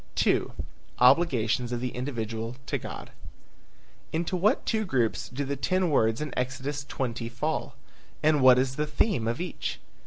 II. OBLIGATIONS OF THE INDIVIDUAL TO GOD. Into what two groups do the ten words in Exodus 20 fall? And what is the theme of each?